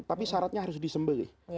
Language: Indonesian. tapi syaratnya harus di sembelih